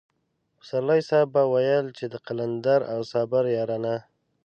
پسرلی صاحب به ويل چې د قلندر او صابر يارانه.